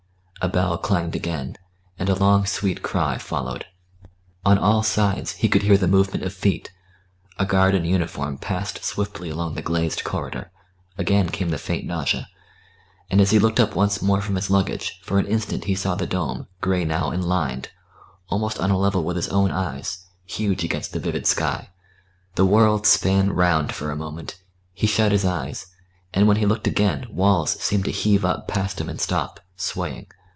A bell clanged again, and a long sweet cry followed. On all sides he could hear the movement of feet; a guard in uniform passed swiftly along the glazed corridor; again came the faint nausea; and as he looked up once more from his luggage for an instant he saw the dome, grey now and lined, almost on a level with his own eyes, huge against the vivid sky. The world span round for a moment; he shut his eyes, and when he looked again walls seemed to heave up past him and stop, swaying.